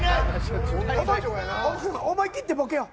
思い切ってボケよう。